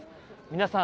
皆さん